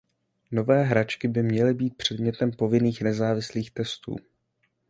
Nové hračky by měly být předmětem povinných nezávislých testů.